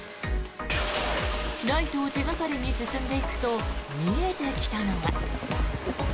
ライトを手掛かりに進んでいくと見えてきたのは。